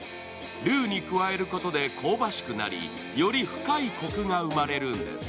ルーに加えることで香ばしくなりより深いこくが生まれるんです。